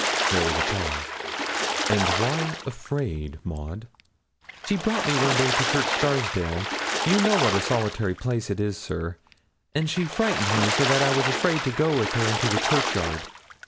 There was a pause. 'And why afraid, Maud?' 'She brought me one day to Church Scarsdale; you know what a solitary place it is, sir; and she frightened me so that I was afraid to go with her into the churchyard.